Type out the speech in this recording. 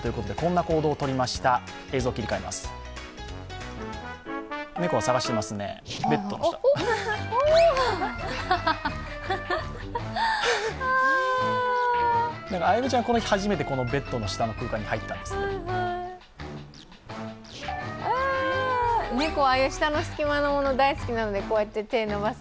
あやめちゃんはこの日初めて、ベッドの下の空間に入ったんです。